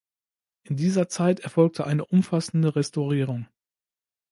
In dieser Zeit erfolgte eine umfassende Restaurierung.